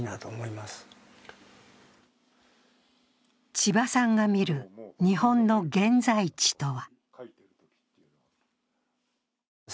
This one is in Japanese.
ちばさんが見る日本の現在地とは。